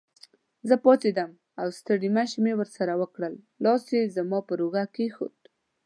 زه پاڅېدم او ستړي مشي مې ورسره وکړل، لاس یې زما پر اوږه کېښود.